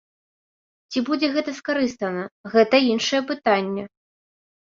Ці будзе гэта скарыстана, гэта іншае пытанне.